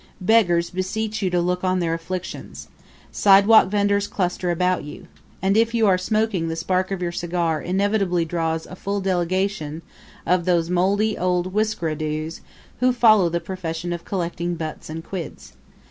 Beggars beseech you to look on their afflictions. Sidewalk venders cluster about you. And if you are smoking the spark of your cigar inevitably draws a full delegation of those moldy old whiskerados who follow the profession of collecting butts and quids.